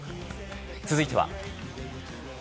続いては。